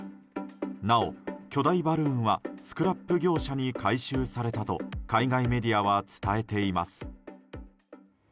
なお、巨大バルーンはスクラップ業者に回収されたと海外メディアは伝えています。